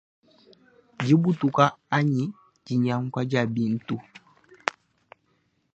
Dibutuka anyi dinyanguka dia bintu.